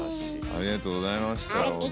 ありがとうございましたほんとに。